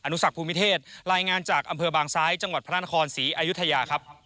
สักภูมิเทศรายงานจากอำเภอบางซ้ายจังหวัดพระนครศรีอายุทยาครับ